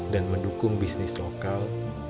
dan mendukung bisnis lokal